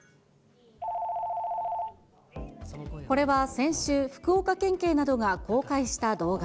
これは先週、福岡県警などが公開した動画。